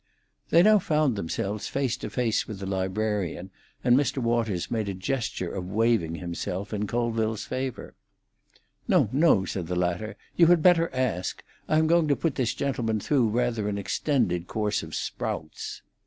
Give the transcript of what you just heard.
They now found themselves face to face with the librarian, and Mr. Waters made a gesture of waiving himself in Colville's favour. "No, no!" said the latter; "you had better ask. I am going to put this gentleman through rather an extended course of sprouts."